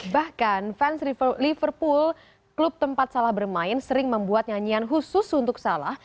bahkan fans liverpool klub tempat salah bermain sering membuat nyanyian khusus untuk salah